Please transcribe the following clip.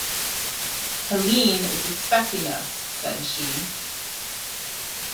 "Helene is expecting us," said she.